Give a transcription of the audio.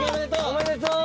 おめでとう。